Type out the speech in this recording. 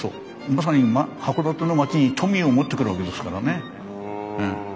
まさに函館の町に富を持ってくるわけですからね。